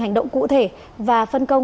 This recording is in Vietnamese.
hành động cụ thể và phân công